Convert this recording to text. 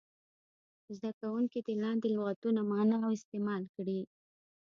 زده کوونکي دې لاندې لغتونه معنا او استعمال کړي.